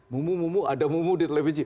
mumu mumu ada mumu di televisi